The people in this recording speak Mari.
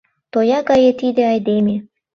Тоя гае тиде айдеме